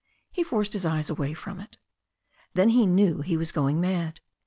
He forced his eyes away from it. Then he knew he was going mad.